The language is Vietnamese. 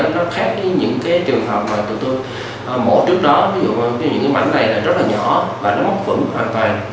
nó khác với những cái trường hợp mà tụi tôi mổ trước đó ví dụ như những cái mảnh này là rất là nhỏ và nó vẫn hoàn toàn